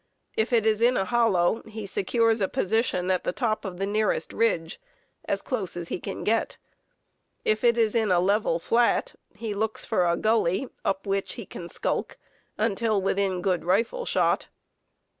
If it is in a hollow, he secures a position at the top of the nearest ridge, as close as he can get. If it is in a level "flat," he looks for a gully up which he can skulk until within good rifle shot.